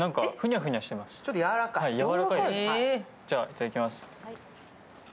ちょっとやわらかい？